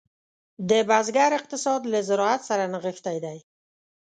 د بزګر اقتصاد له زراعت سره نغښتی دی.